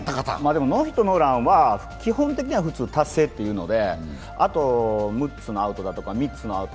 ノーヒットノーランは基本的には普通達成というので、あと６つのアウトだとか３つのアウト